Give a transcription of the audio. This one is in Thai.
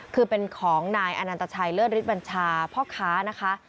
คือเป็นของนายอนันตชัยเลิศฤทธบัญชาพ่อค้านะคะ